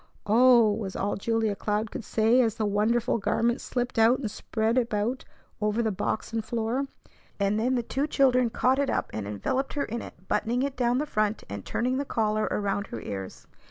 "Oh h!" was all Julia Cloud could say as the wonderful garment slipped out and spread about over the box and floor. And then the two children caught it up, and enveloped her in it, buttoning it down the front and turning the collar around her ears.